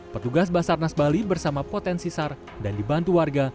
petugas basarnas bali bersama potensi sar dan dibantu warga